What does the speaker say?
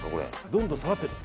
どんどん下がってる。